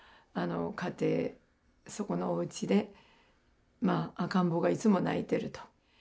家庭そこのおうちで赤ん坊がいつも泣いていると。